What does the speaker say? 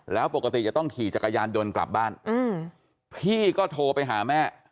แล้วปกติจะต้องขี่จักรยานยนต์กลับบ้านพี่ก็โทรไปหาแม่